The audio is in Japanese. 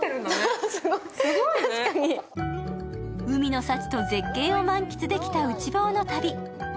海の幸と絶景を満喫できた内房の旅。